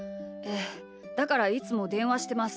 でだからいつもでんわしてます。